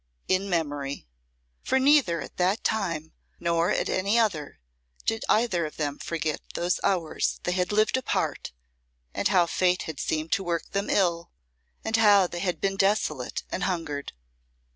"In memory!" For neither at that time nor at any other did either of them forget those hours they had lived apart and how Fate had seemed to work them ill, and how they had been desolate and hungered.